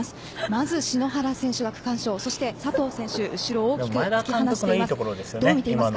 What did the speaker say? まず篠原選手が区間賞そして佐藤選手が後ろを突き放しています。